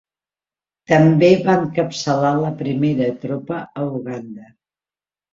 També va encapçalar la primera tropa a Uganda.